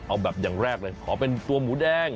เอาแบบอย่างแรกเลยขอเป็นตัวหมูแดง